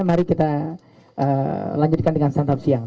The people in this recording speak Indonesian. mari kita lanjutkan dengan santap siang